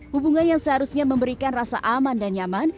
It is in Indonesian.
hubungan yang seharusnya memberikan rasa aman dan nyaman